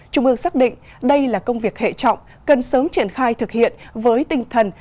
trung ương xác định đây là công việc hệ trọng cần sớm triển khai thực hiện với tinh thần